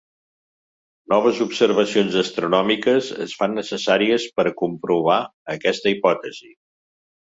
Noves observacions astronòmiques es fan necessàries per a comprovar aquesta hipòtesi.